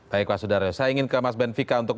baik pak saudara saya ingin ke mas ben vika untuk